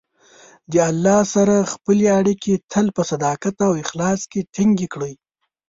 د الله سره خپلې اړیکې تل په صداقت او اخلاص کې ټینګې کړئ.